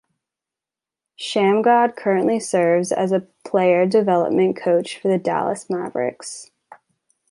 Shammgod currently serves as a player development coach for the Dallas Mavericks.